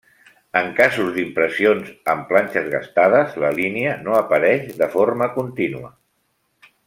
En casos d'impressions amb planxes gastades, la línia no apareix de forma contínua.